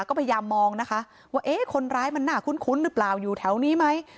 ก็พยายามมองนะคะว่าเอ๊ะคนร้ายมันน่าคุ้นหรือเปล่าอยู่แถวนี้ไหม